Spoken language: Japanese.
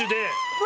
・うわ！